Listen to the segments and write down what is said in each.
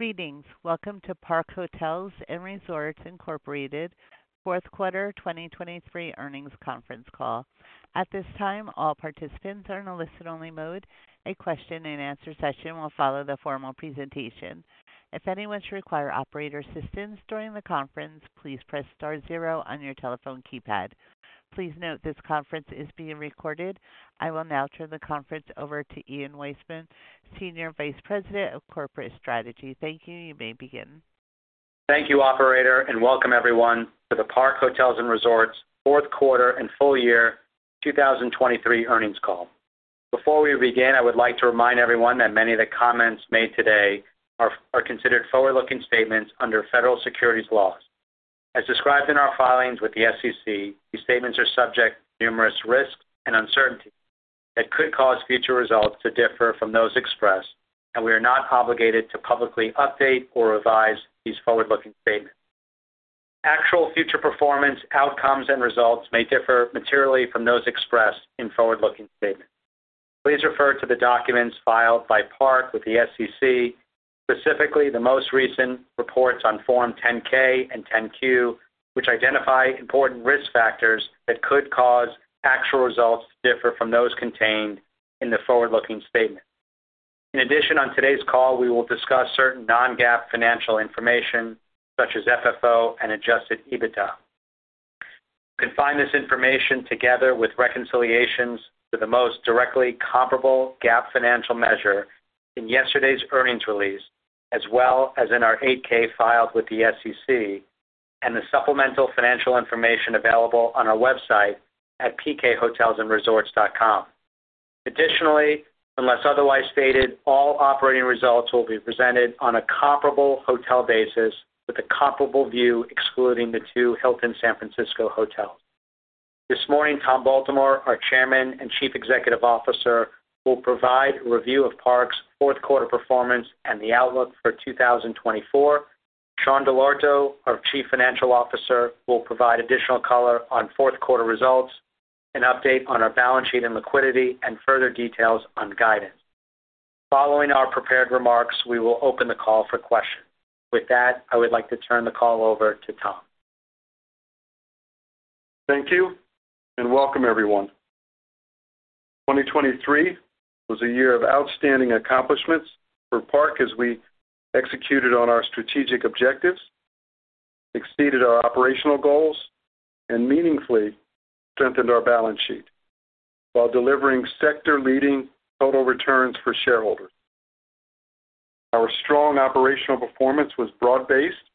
Greetings, welcome to Park Hotels & Resorts Incorporated, Q4 2023 earnings conference call. At this time, all participants are in a listen-only mode. A question-and-answer session will follow the formal presentation. If anyone should require operator assistance during the conference, please press star zero on your telephone keypad. Please note this conference is being recorded. I will now turn the conference over to Ian Weissman, Senior Vice President of Corporate Strategy. Thank you, you may begin. Thank you, Operator, and welcome everyone to the Park Hotels & Resorts Q4 and full year 2023 earnings call. Before we begin, I would like to remind everyone that many of the comments made today are considered forward-looking statements under federal securities laws. As described in our filings with the SEC, these statements are subject to numerous risks and uncertainties that could cause future results to differ from those expressed, and we are not obligated to publicly update or revise these forward-looking statements. Actual future performance outcomes and results may differ materially from those expressed in forward-looking statements. Please refer to the documents filed by Park with the SEC, specifically the most recent reports on Form 10-K and 10-Q, which identify important risk factors that could cause actual results to differ from those contained in the forward-looking statements. In addition, on today's call we will discuss certain non-GAAP financial information such as FFO and Adjusted EBITDA. You can find this information together with reconciliations to the most directly comparable GAAP financial measure in yesterday's earnings release, as well as in our 8-K filed with the SEC, and the supplemental financial information available on our website at pkhotelsandresorts.com. Additionally, unless otherwise stated, all operating results will be presented on a comparable hotel basis with a comparable view excluding the two Hilton San Francisco hotels. This morning, Tom Baltimore, our Chairman and Chief Executive Officer, will provide a review of Park's Q4 performance and the outlook for 2024. Sean Dell'Orto, our Chief Financial Officer, will provide additional color on Q4 results, an update on our balance sheet and liquidity, and further details on guidance. Following our prepared remarks, we will open the call for questions. With that, I would like to turn the call over to Tom. Thank you and welcome everyone. 2023 was a year of outstanding accomplishments for Park as we executed on our strategic objectives, exceeded our operational goals, and meaningfully strengthened our balance sheet while delivering sector-leading total returns for shareholders. Our strong operational performance was broad-based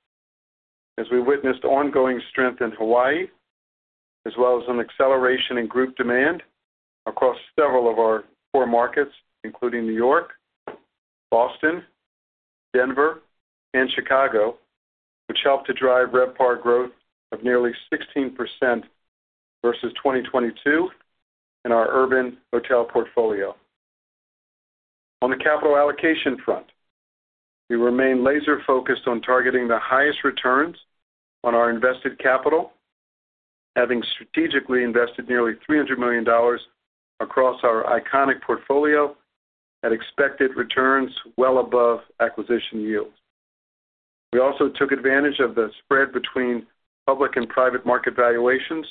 as we witnessed ongoing strength in Hawaii, as well as an acceleration in group demand across several of our core markets, including New York, Boston, Denver, and Chicago, which helped to drive RevPAR growth of nearly 16% versus 2022 in our urban hotel portfolio. On the capital allocation front, we remain laser-focused on targeting the highest returns on our invested capital, having strategically invested nearly $300 million across our iconic portfolio at expected returns well above acquisition yields. We also took advantage of the spread between public and private market valuations,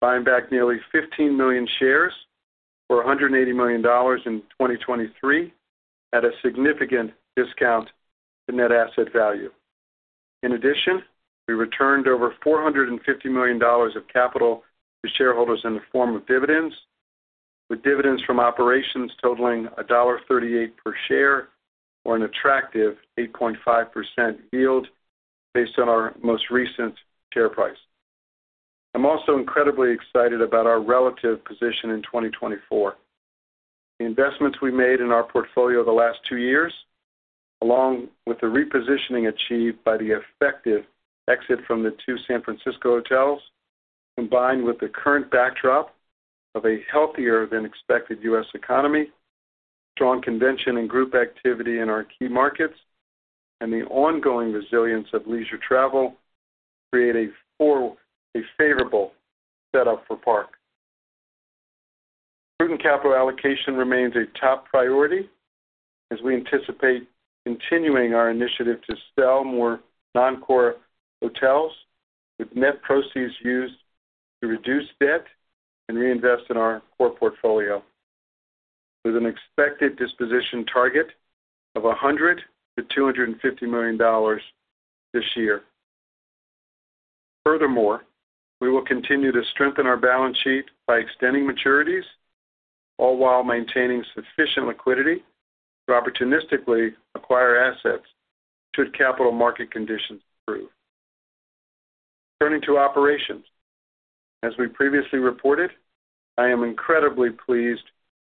buying back nearly 15 million shares for $180 million in 2023 at a significant discount to net asset value. In addition, we returned over $450 million of capital to shareholders in the form of dividends, with dividends from operations totaling $1.38 per share for an attractive 8.5% yield based on our most recent share price. I'm also incredibly excited about our relative position in 2024. The investments we made in our portfolio the last two years, along with the repositioning achieved by the effective exit from the two San Francisco hotels, combined with the current backdrop of a healthier-than-expected U.S. economy, strong convention and group activity in our key markets, and the ongoing resilience of leisure travel, create a favorable setup for Park. Prudent capital allocation remains a top priority as we anticipate continuing our initiative to sell more non-core hotels with net proceeds used to reduce debt and reinvest in our core portfolio, with an expected disposition target of $100 million-$250 million this year. Furthermore, we will continue to strengthen our balance sheet by extending maturities, all while maintaining sufficient liquidity to opportunistically acquire assets should capital market conditions improve. Turning to operations, as we previously reported, I am incredibly pleased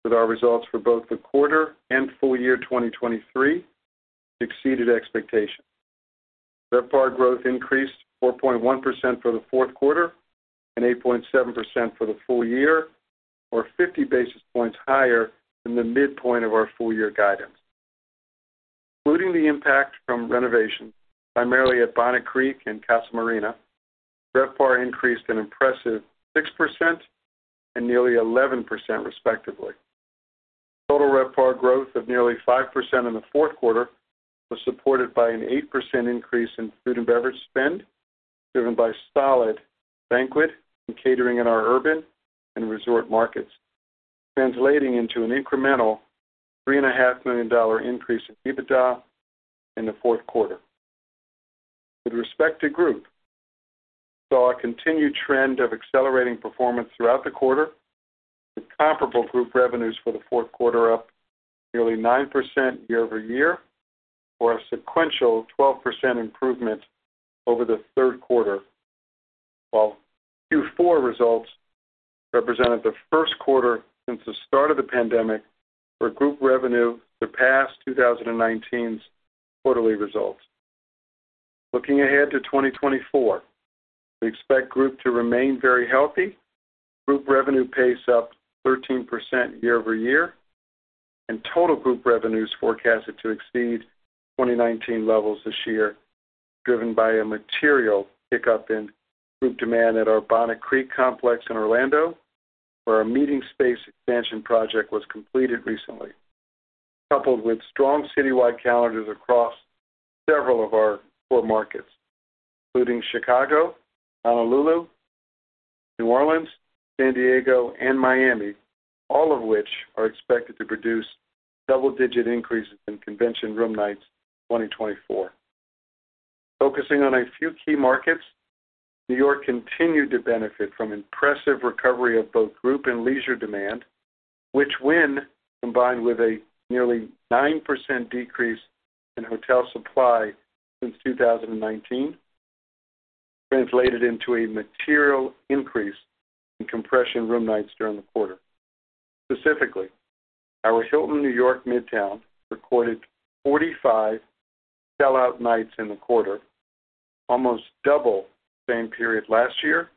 with our results for both the quarter and full year 2023, which exceeded expectations. RevPAR growth increased 4.1% for the Q4 and 8.7% for the full year, or 50 basis points higher than the midpoint of our full year guidance. Including the impact from renovations, primarily at Bonnet Creek and Casa Marina, RevPAR increased an impressive 6% and nearly 11%, respectively. Total RevPAR growth of nearly 5% in the Q4 was supported by an 8% increase in food and beverage spend driven by solid banquet and catering in our urban and resort markets, translating into an incremental $3.5 million increase in EBITDA in the Q4. With respect to group, we saw a continued trend of accelerating performance throughout the quarter, with comparable group revenues for the Q4 up nearly 9% year-over-year for a sequential 12% improvement over the Q3, while Q4 results represented the Q1 since the start of the pandemic where group revenue surpassed 2019's quarterly results. Looking ahead to 2024, we expect group to remain very healthy, group revenue pace up 13% year-over-year, and total group revenues forecasted to exceed 2019 levels this year, driven by a material pickup in group demand at our Bonnet Creek complex in Orlando, where a meeting space expansion project was completed recently, coupled with strong citywide calendars across several of our core markets, including Chicago, Honolulu, New Orleans, San Diego, and Miami, all of which are expected to produce double-digit increases in convention room nights 2024. Focusing on a few key markets, New York continued to benefit from impressive recovery of both group and leisure demand, which, when combined with a nearly 9% decrease in hotel supply since 2019, translated into a material increase in compression room nights during the quarter. Specifically, our Hilton New York Midtown recorded 45 sellout nights in the quarter, almost double the same period last year,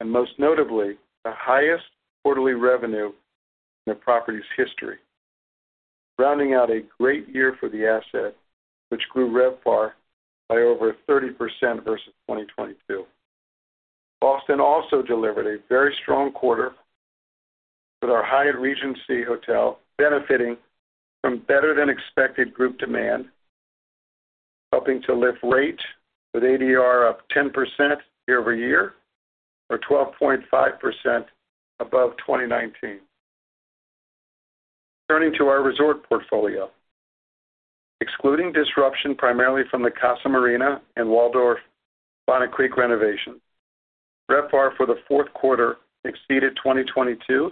and most notably, the highest quarterly revenue in the property's history, rounding out a great year for the asset, which grew RevPAR by over 30% versus 2022. Boston also delivered a very strong quarter with our Hyatt Regency Boston benefiting from better-than-expected group demand, helping to lift rate with ADR up 10% year-over-year, or 12.5% above 2019. Turning to our resort portfolio, excluding disruption primarily from the Casa Marina Resort and Waldorf Astoria Bonnet Creek renovations, RevPAR for the Q4 exceeded 2022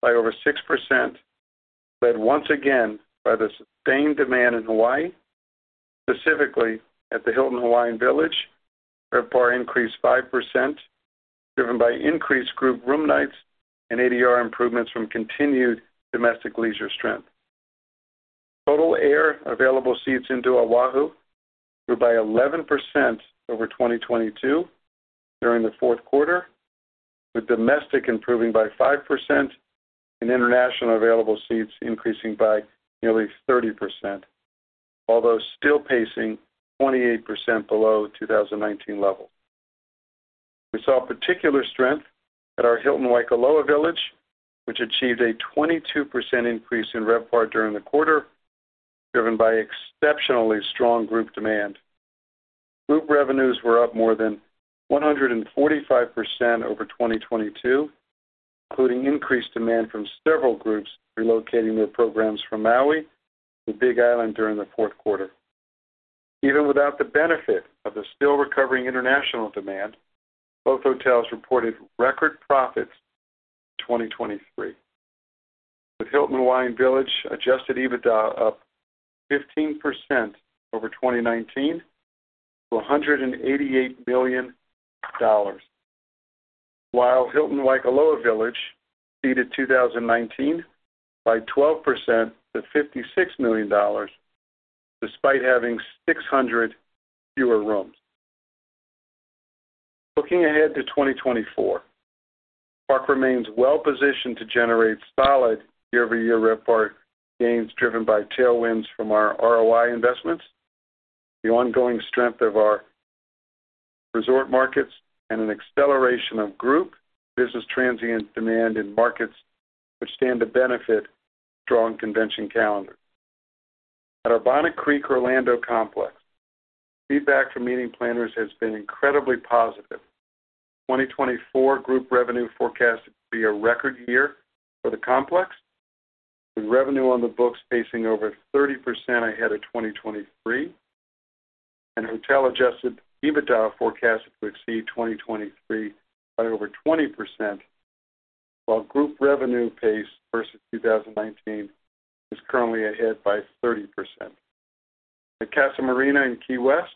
by over 6%, led once again by the sustained demand in Hawaii. Specifically, at the Hilton Hawaiian Village, RevPAR increased 5%, driven by increased group room nights and ADR improvements from continued domestic leisure strength. Total air available seats into Oahu grew by 11% over 2022 during the Q4, with domestic improving by 5% and international available seats increasing by nearly 30%, although still pacing 28% below 2019 levels. We saw particular strength at our Hilton Waikoloa Village, which achieved a 22% increase in RevPAR during the quarter, driven by exceptionally strong group demand. Group revenues were up more than 145% over 2022, including increased demand from several groups relocating their programs from Maui to Big Island during the Q4. Even without the benefit of the still-recovering international demand, both hotels reported record profits in 2023, with Hilton Hawaiian Village adjusted EBITDA up 15% over 2019 to $188 million, while Hilton Waikoloa Village exceeded 2019 by 12% to $56 million, despite having 600 fewer rooms. Looking ahead to 2024, Park remains well-positioned to generate solid year-over-year RevPAR gains driven by tailwinds from our ROI investments, the ongoing strength of our resort markets, and an acceleration of group business transient demand in markets which stand to benefit strong convention calendars. At our Bonnet Creek Orlando complex, feedback from meeting planners has been incredibly positive. 2024 group revenue forecasted to be a record year for the complex, with revenue on the books pacing over 30% ahead of 2023, and hotel adjusted EBITDA forecasted to exceed 2023 by over 20%, while group revenue pace versus 2019 is currently ahead by 30%. At Casa Marina in Key West,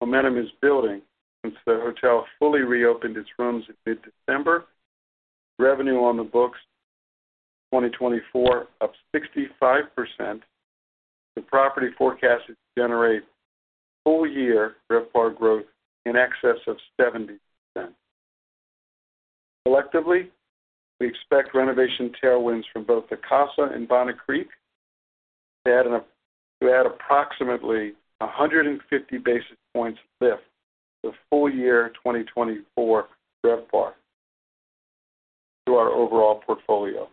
momentum is building since the hotel fully reopened its rooms in mid-December, with revenue on the books 2024 up 65%. The property forecasted to generate full-year RevPAR growth in excess of 70%. Collectively, we expect renovation tailwinds from both the Casa and Bonnet Creek to add approximately 150 basis points lift to full-year 2024 RevPAR to our overall portfolio.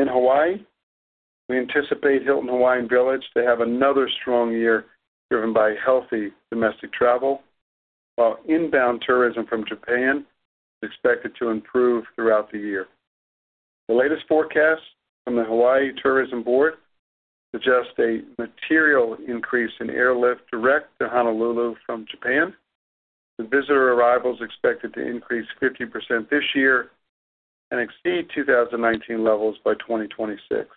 In Hawaii, we anticipate Hilton Hawaiian Village to have another strong year driven by healthy domestic travel, while inbound tourism from Japan is expected to improve throughout the year. The latest forecast from the Hawaii Tourism Board suggests a material increase in airlift direct to Honolulu from Japan, with visitor arrivals expected to increase 50% this year and exceed 2019 levels by 2026.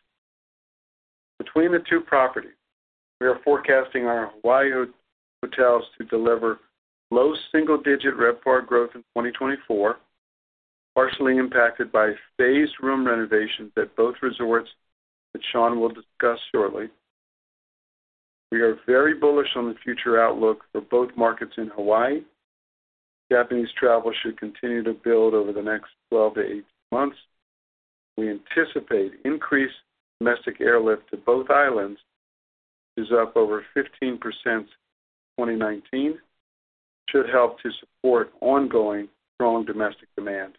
Between the two properties, we are forecasting our Hawaii hotels to deliver low single-digit RevPAR growth in 2024, partially impacted by phased room renovations at both resorts that Sean will discuss shortly. We are very bullish on the future outlook for both markets in Hawaii. Japanese travel should continue to build over the next 12-18 months. We anticipate increased domestic airlift to both islands, which is up over 15% since 2019, should help to support ongoing strong domestic demand.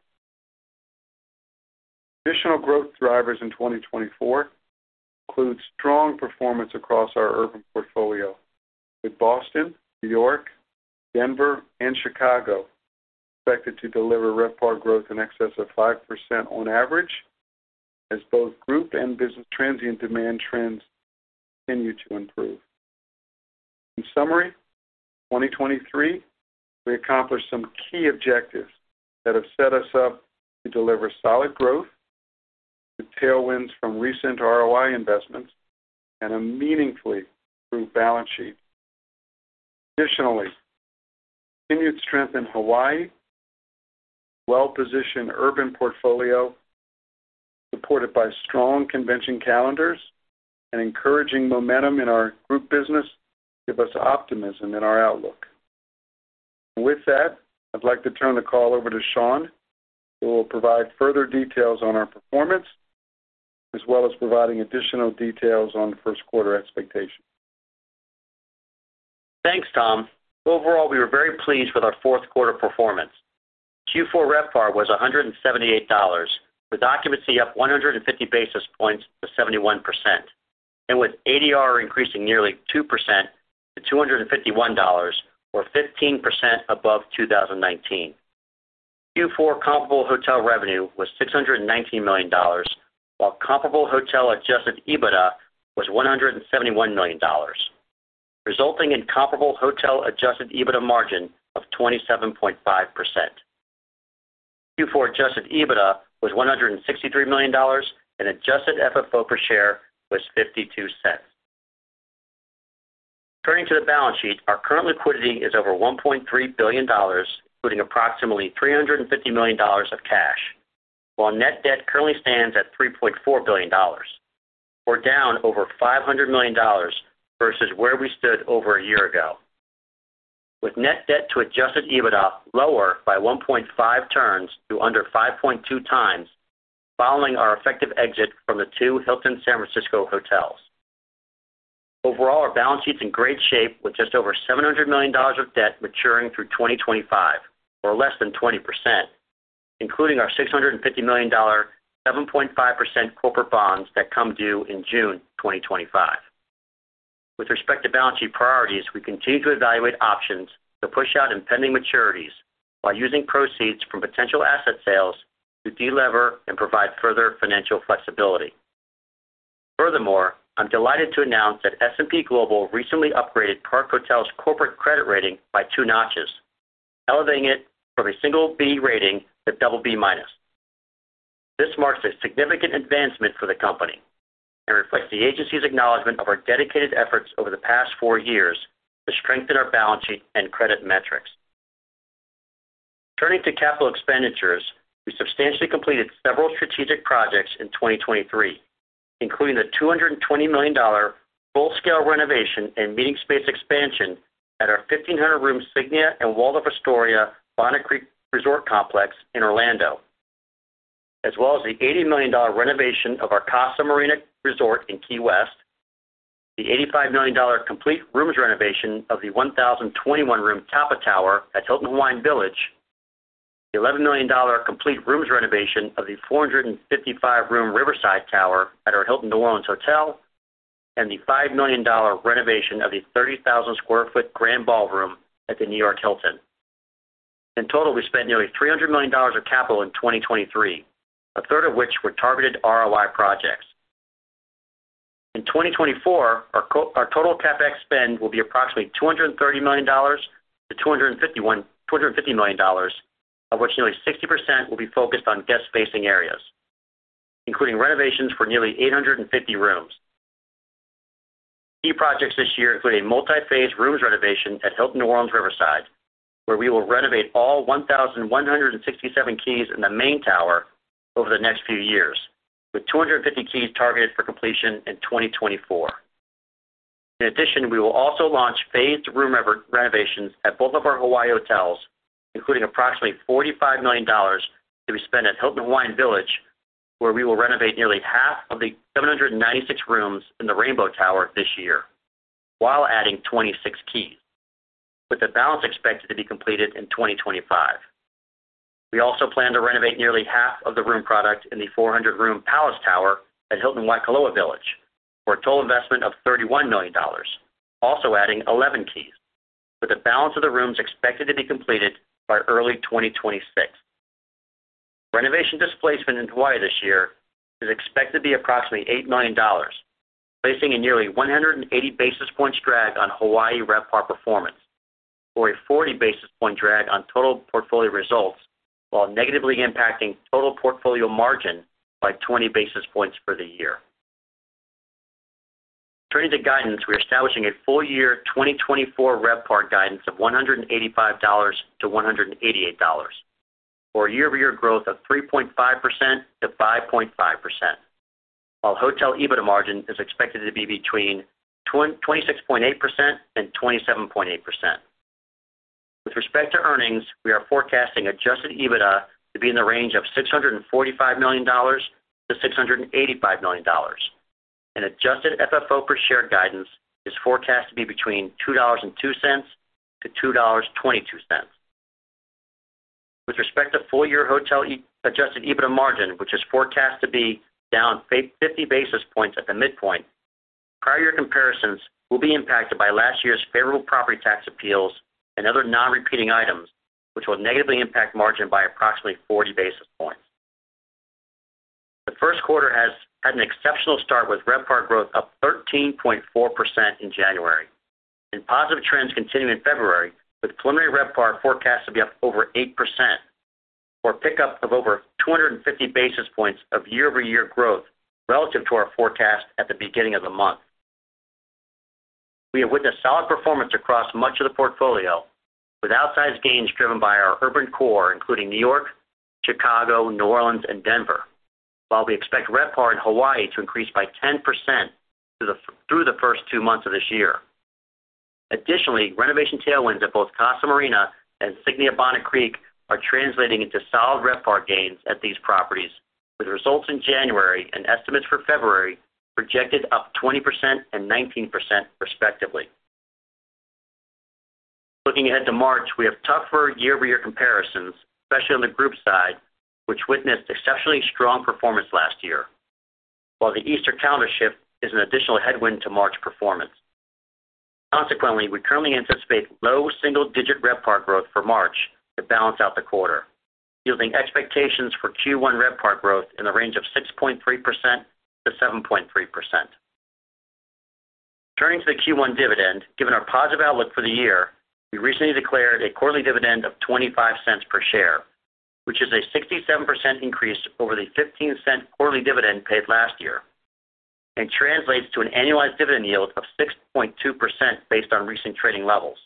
Additional growth drivers in 2024 include strong performance across our urban portfolio, with Boston, New York, Denver, and Chicago expected to deliver RevPAR growth in excess of 5% on average as both group and business transient demand trends continue to improve. In summary, 2023, we accomplished some key objectives that have set us up to deliver solid growth with tailwinds from recent ROI investments and a meaningfully improved balance sheet. Additionally, continued strength in Hawaii, well-positioned urban portfolio supported by strong convention calendars, and encouraging momentum in our group business give us optimism in our outlook. With that, I'd like to turn the call over to Sean, who will provide further details on our performance as well as providing additional details on first-quarter expectations. Thanks, Tom. Overall, we were very pleased with our fourth-quarter performance. Q4 RevPAR was $178, with occupancy up 150 basis points to 71%, and with ADR increasing nearly 2% to $251, or 15% above 2019. Q4 comparable hotel revenue was $619 million, while comparable hotel adjusted EBITDA was $171 million, resulting in comparable hotel adjusted EBITDA margin of 27.5%. Q4 adjusted EBITDA was $163 million, and adjusted FFO per share was $0.52. Turning to the balance sheet, our current liquidity is over $1.3 billion, including approximately $350 million of cash, while net debt currently stands at $3.4 billion. We're down over $500 million versus where we stood over a year ago, with net debt to adjusted EBITDA lower by 1.5 turns to under 5.2 times following our effective exit from the two Hilton San Francisco hotels. Overall, our balance sheet's in great shape, with just over $700 million of debt maturing through 2025, or less than 20%, including our $650 million, 7.5% corporate bonds that come due in June 2025. With respect to balance sheet priorities, we continue to evaluate options to push out impending maturities while using proceeds from potential asset sales to de-lever and provide further financial flexibility. Furthermore, I'm delighted to announce that S&P Global recently upgraded Park Hotels' corporate credit rating by two notches, elevating it from a single B rating to double B minus. This marks a significant advancement for the company and reflects the agency's acknowledgment of our dedicated efforts over the past four years to strengthen our balance sheet and credit metrics. Turning to capital expenditures, we substantially completed several strategic projects in 2023, including the $220 million full-scale renovation and meeting space expansion at our 1,500-room Signia and Waldorf Astoria Bonnet Creek Resort Complex in Orlando, as well as the $80 million renovation of our Casa Marina Resort in Key West, the $85 million complete rooms renovation of the 1,021-room Tapa Tower at Hilton Hawaiian Village, the $11 million complete rooms renovation of the 455-room Riverside Tower at our Hilton New Orleans Riverside, and the $5 million renovation of the 30,000 sq ft Grand Ballroom at the New York Hilton. In total, we spent nearly $300 million of capital in 2023, a third of which were targeted ROI projects. In 2024, our total Capex spend will be approximately $230 million-$250 million, of which nearly 60% will be focused on guest-facing areas, including renovations for nearly 850 rooms. Key projects this year include a multi-phase rooms renovation at Hilton New Orleans Riverside, where we will renovate all 1,167 keys in the main tower over the next few years, with 250 keys targeted for completion in 2024. In addition, we will also launch phased room renovations at both of our Hawaii hotels, including approximately $45 million to be spent at Hilton Hawaiian Village, where we will renovate nearly half of the 796 rooms in the Rainbow Tower this year while adding 26 keys, with the balance expected to be completed in 2025. We also plan to renovate nearly half of the room product in the 400-room Palace Tower at Hilton Waikoloa Village for a total investment of $31 million, also adding 11 keys, with the balance of the rooms expected to be completed by early 2026. Renovation displacement in Hawaii this year is expected to be approximately $8 million, placing a nearly 180 basis points drag on Hawaii RevPAR performance or a 40 basis point drag on total portfolio results while negatively impacting total portfolio margin by 20 basis points for the year. Turning to guidance, we are establishing a full-year 2024 RevPAR guidance of $185-$188 for a year-over-year growth of 3.5%-5.5%, while hotel EBITDA margin is expected to be between 26.8%-27.8%. With respect to earnings, we are forecasting adjusted EBITDA to be in the range of $645 million-$685 million, and adjusted FFO per share guidance is forecast to be between $2.02-$2.22. With respect to full-year hotel adjusted EBITDA margin, which is forecast to be down 50 basis points at the midpoint, prior year comparisons will be impacted by last year's favorable property tax appeals and other non-repeating items, which will negatively impact margin by approximately 40 basis points. The Q1 has had an exceptional start with RevPAR growth up 13.4% in January and positive trends continuing in February, with preliminary RevPAR forecast to be up over 8% or pick up of over 250 basis points of year-over-year growth relative to our forecast at the beginning of the month. We have witnessed solid performance across much of the portfolio with outsized gains driven by our urban core, including New York, Chicago, New Orleans, and Denver, while we expect RevPAR in Hawaii to increase by 10% through the first two months of this year. Additionally, renovation tailwinds at both Casa Marina and Signia Bonnet Creek are translating into solid RevPAR gains at these properties, with results in January and estimates for February projected up 20% and 19% respectively. Looking ahead to March, we have tougher year-over-year comparisons, especially on the group side, which witnessed exceptionally strong performance last year, while the Easter calendar shift is an additional headwind to March performance. Consequently, we currently anticipate low single-digit RevPAR growth for March to balance out the quarter, yielding expectations for Q1 RevPAR growth in the range of 6.3%-7.3%. Turning to the Q1 dividend, given our positive outlook for the year, we recently declared a quarterly dividend of $0.25 per share, which is a 67% increase over the $0.15 quarterly dividend paid last year and translates to an annualized dividend yield of 6.2% based on recent trading levels.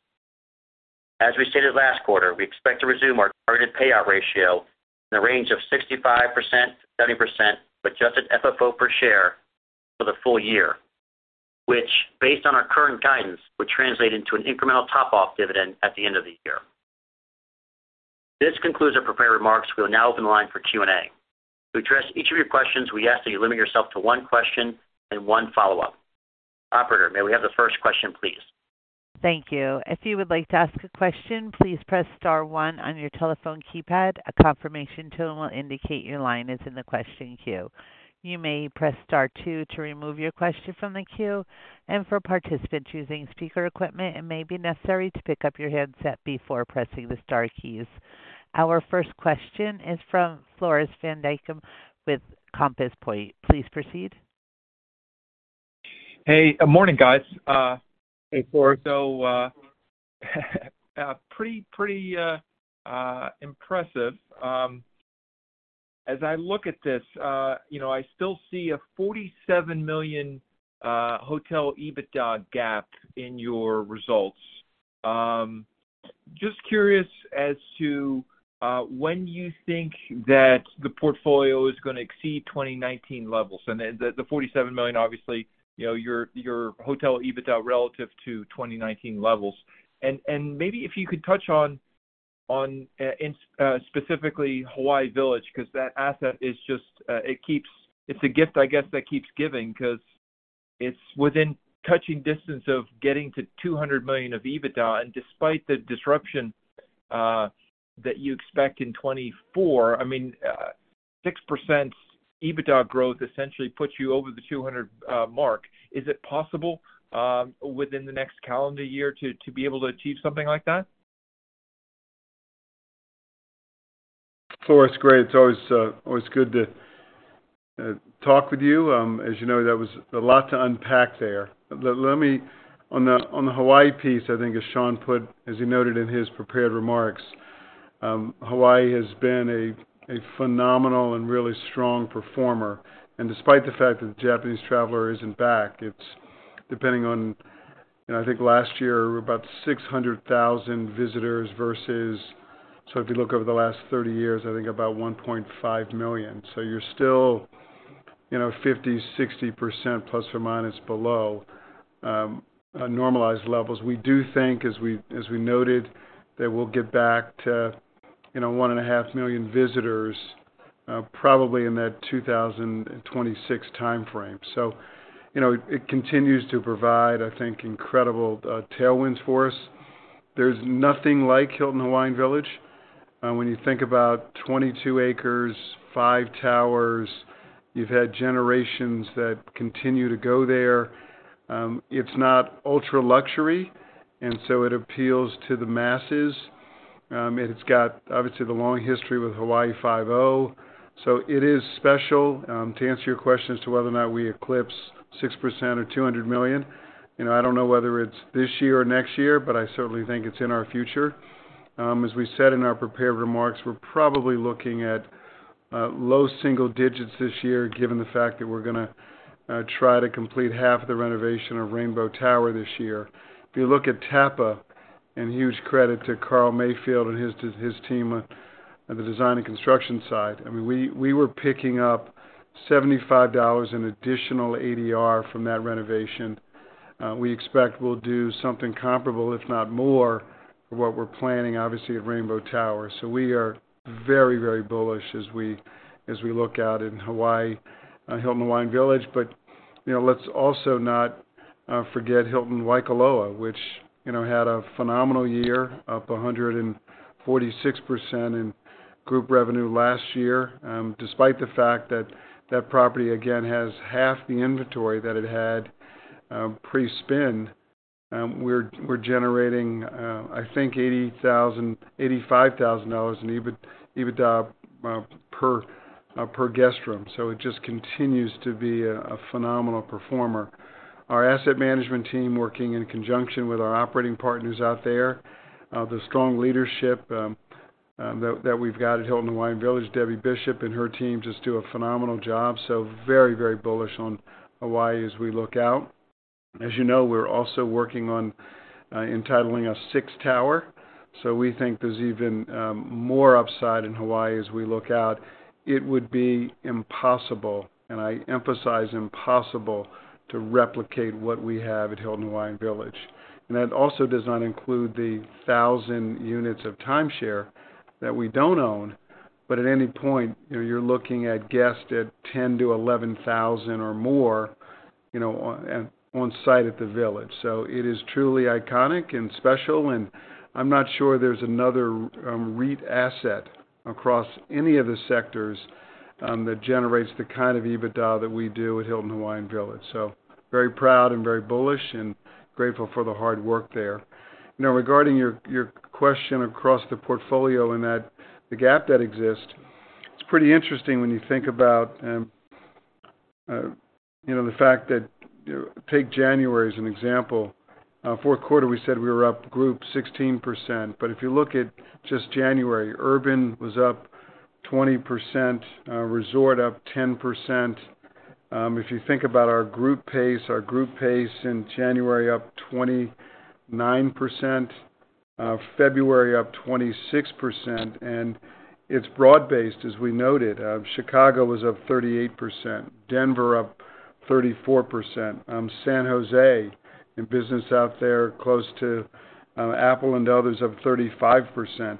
As we stated last quarter, we expect to resume our targeted payout ratio in the range of 65%-70% adjusted FFO per share for the full year, which, based on our current guidance, would translate into an incremental top-off dividend at the end of the year. This concludes our prepared remarks. We will now open the line for Q&A. To address each of your questions, we ask that you limit yourself to one question and one follow-up. Operator, may we have the first question, please? Thank you. If you would like to ask a question, please press star one on your telephone keypad. A confirmation tone will indicate your line is in the question queue. You may press star two to remove your question from the queue. For participants using speaker equipment, it may be necessary to pick up your headset before pressing the star keys. Our first question is from Floris van Dijkum with Compass Point. Please proceed. Hey, good morning, guys. Hey, Floris. So, pretty, pretty impressive. As I look at this, I still see a $47 million hotel EBITDA gap in your results. Just curious as to when you think that the portfolio is going to exceed 2019 levels. And the $47 million, obviously, your hotel EBITDA relative to 2019 levels. And maybe if you could touch on specifically Hawaii Village because that asset is just it's a gift, I guess, that keeps giving because it's within touching distance of getting to $200 million of EBITDA. And despite the disruption that you expect in 2024, I mean, 6% EBITDA growth essentially puts you over the 200 mark. Is it possible within the next calendar year to be able to achieve something like that? Floris, great. It's always good to talk with you. As you know, that was a lot to unpack there. On the Hawaii piece, I think, as Sean put, as he noted in his prepared remarks, Hawaii has been a phenomenal and really strong performer. And despite the fact that the Japanese traveler isn't back, it's depending on I think last year, about 600,000 visitors versus so if you look over the last 30 years, I think about 1.5 million. So you're still 50%-60% plus or minus below normalized levels. We do think, as we noted, that we'll get back to 1.5 million visitors probably in that 2026 time frame. So it continues to provide, I think, incredible tailwinds for us. There's nothing like Hilton Hawaiian Village. When you think about 22 acres, five towers, you've had generations that continue to go there. It's not ultra-luxury, and so it appeals to the masses. It's got, obviously, the long history with Hawaii Five-0. So it is special. To answer your question as to whether or not we eclipse 6% or $200 million, I don't know whether it's this year or next year, but I certainly think it's in our future. As we said in our prepared remarks, we're probably looking at low single digits this year given the fact that we're going to try to complete half of the renovation of Rainbow Tower this year. If you look at Tapa and huge credit to Carl Mayfield and his team at the design and construction side, I mean, we were picking up $75 in additional ADR from that renovation. We expect we'll do something comparable, if not more, for what we're planning, obviously, at Rainbow Tower. So we are very, very bullish as we look out at Hawaii Hilton Hawaiian Village. But let's also not forget Hilton Waikoloa Village, which had a phenomenal year, up 146% in group revenue last year. Despite the fact that that property, again, has half the inventory that it had pre-spin, we're generating, I think, $85,000 in EBITDA per guest room. So it just continues to be a phenomenal performer. Our asset management team, working in conjunction with our operating partners out there, the strong leadership that we've got at Hilton Hawaiian Village, Debbie Bishop and her team just do a phenomenal job. So very, very bullish on Hawaii as we look out. As you know, we're also working on entitling a sixth tower. So we think there's even more upside in Hawaii as we look out. It would be impossible, and I emphasize impossible, to replicate what we have at Hilton Hawaiian Village. That also does not include the 1,000 units of timeshare that we don't own. But at any point, you're looking at guests at 10,000-11,000 or more on site at the village. So it is truly iconic and special. And I'm not sure there's another REIT asset across any of the sectors that generates the kind of EBITDA that we do at Hilton Hawaiian Village. So very proud and very bullish and grateful for the hard work there. Regarding your question across the portfolio and the gap that exists, it's pretty interesting when you think about the fact that, take January as an example. Q4, we said we were up group 16%. But if you look at just January, urban was up 20%, resort up 10%. If you think about our group pace, our group pace in January up 29%, February up 26%. And it's broad-based, as we noted. Chicago was up 38%, Denver up 34%, San Jose in business out there close to Apple and others up 35%,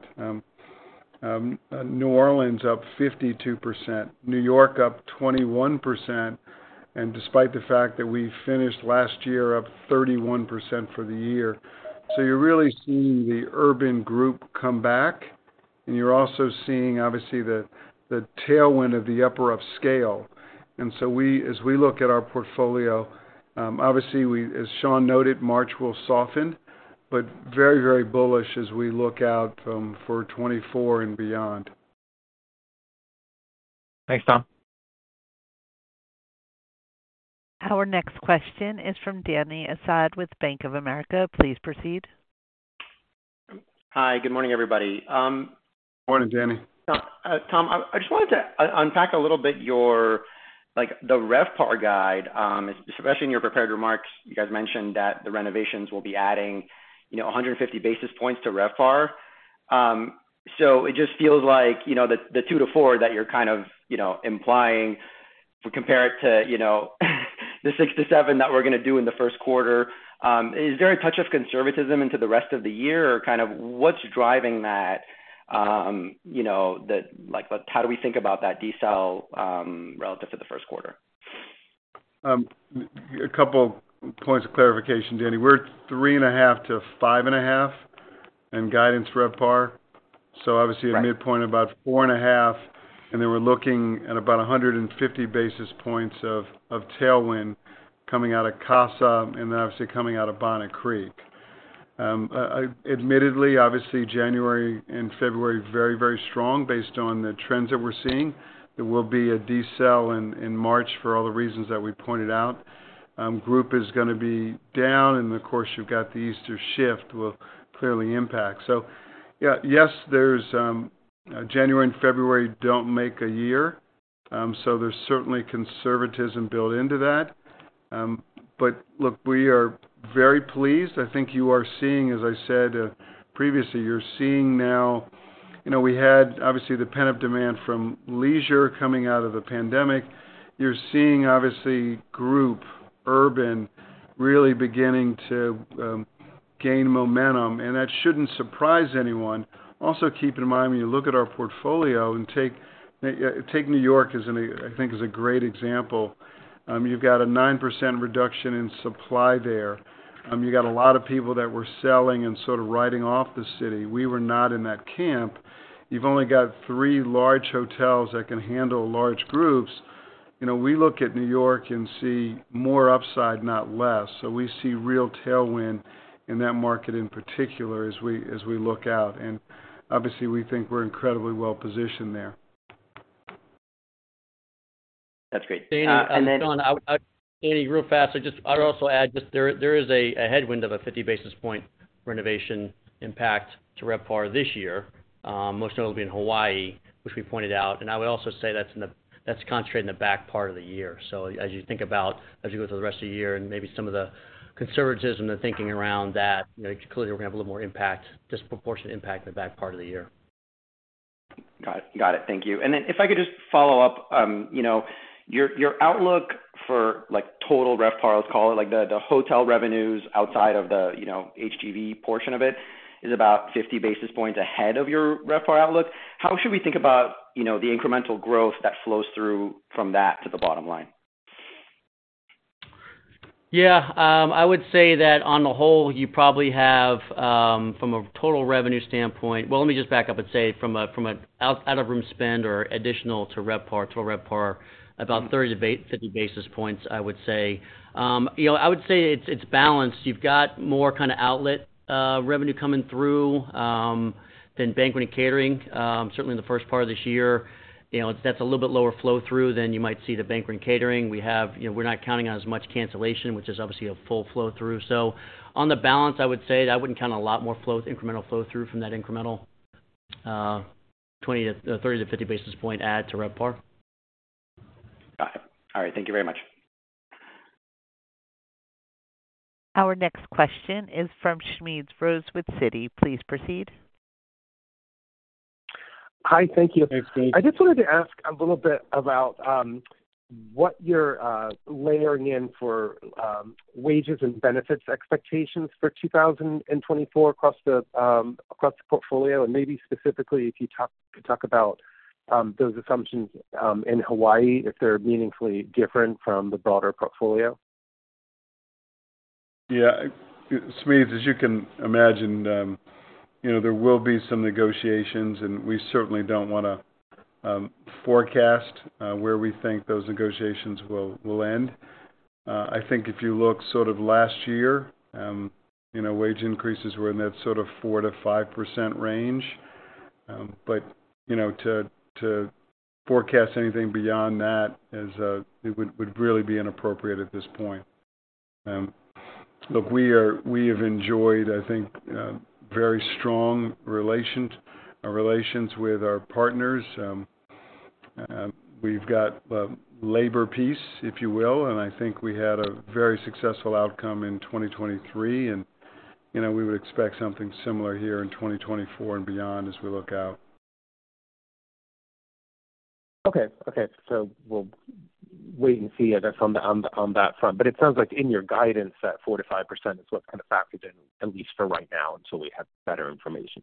New Orleans up 52%, New York up 21%, and despite the fact that we finished last year up 31% for the year. So you're really seeing the urban group come back, and you're also seeing, obviously, the tailwind of the upper-upscale. And so as we look at our portfolio, obviously, as Sean noted, March will soften, but very, very bullish as we look out for 2024 and beyond. Thanks, Tom. Our next question is from Danny Assad with Bank of America. Please proceed. Hi. Good morning, everybody. Morning, Danny. Tom, I just wanted to unpack a little bit the RevPAR guide, especially in your prepared remarks. You guys mentioned that the renovations will be adding 150 basis points to RevPAR. So it just feels like the 2-4 that you're kind of implying, compare it to the 6-7 that we're going to do in the Q1, is there a touch of conservatism into the rest of the year, or kind of what's driving that? How do we think about that decal relative to the Q1? A couple points of clarification, Danny. We're 3.5-5.5 in guidance RevPAR. So obviously, at midpoint, about 4.5. And then we're looking at about 150 basis points of tailwind coming out of Casa and then, obviously, coming out of Bonnet Creek. Admittedly, obviously, January and February very, very strong based on the trends that we're seeing. There will be a decel in March for all the reasons that we pointed out. Group is going to be down. Of course, you've got the Easter shift, which will clearly impact. So yes, January and February don't make a year. So there's certainly conservatism built into that. But look, we are very pleased. I think you are seeing, as I said previously, you're seeing now we had, obviously, the pent-up demand from leisure coming out of the pandemic. You're seeing, obviously, group, urban really beginning to gain momentum. And that shouldn't surprise anyone. Also, keep in mind when you look at our portfolio and take New York as I think is a great example. You've got a 9% reduction in supply there. You've got a lot of people that were selling and sort of riding off the city. We were not in that camp. You've only got three large hotels that can handle large groups. We look at New York and see more upside, not less. So we see real tailwind in that market in particular as we look out. Obviously, we think we're incredibly well-positioned there. That's great. Thanks Sean. Danny, real fast, I'd also add just there is a headwind of a 50 basis point renovation impact to RevPAR this year, most notably in Hawaii, which we pointed out. I would also say that's concentrated in the back part of the year. So as you think about as you go through the rest of the year and maybe some of the conservatism and thinking around that, clearly, we're going to have a little more impact, disproportionate impact in the back part of the year. Got it. Got it. Thank you. Then if I could just follow up, your outlook for total RevPAR, let's call it, the hotel revenues outside of the HGV portion of it is about 50 basis points ahead of your RevPAR outlook. How should we think about the incremental growth that flows through from that to the bottom line? Yeah. I would say that on the whole, you probably have, from a total revenue standpoint well, let me just back up and say from an out-of-room spend or additional to RevPAR, total RevPAR, about 30 to 50 basis points, I would say. I would say it's balanced. You've got more kind of outlet revenue coming through than banquet and catering, certainly in the first part of this year. That's a little bit lower flow-through than you might see the banquet and catering. We're not counting on as much cancellation, which is obviously a full flow-through. So on the balance, I would say I wouldn't count a lot more incremental flow-through from that incremental 30-50 basis point add to RevPAR. Got it. All right. Thank you very much. Our next question is from Smedes Rose. Please proceed. Hi. Thank you. I just wanted to ask a little bit about what you're layering in for wages and benefits expectations for 2024 across the portfolio and maybe specifically if you could talk about those assumptions in Hawaii, if they're meaningfully different from the broader portfolio. Yeah. Smedes, as you can imagine, there will be some negotiations. And we certainly don't want to forecast where we think those negotiations will end. I think if you look sort of last year, wage increases were in that sort of 4%-5% range. But to forecast anything beyond that would really be inappropriate at this point. Look, we have enjoyed, I think, very strong relations with our partners. We've got labor peace, if you will. And I think we had a very successful outcome in 2023. And we would expect something similar here in 2024 and beyond as we look out. Okay. Okay. So we'll wait and see on that front. But it sounds like in your guidance, that 4%-5% is what's kind of factored in, at least for right now until we have better information.